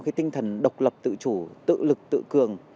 cái tinh thần độc lập tự chủ tự lực tự cường